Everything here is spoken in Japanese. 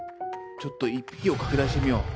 ちょっと１匹を拡大してみよう。